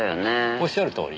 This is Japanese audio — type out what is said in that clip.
おっしゃるとおり。